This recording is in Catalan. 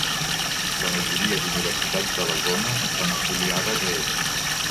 La majoria d'universitats de la zona estan afiliades a ell.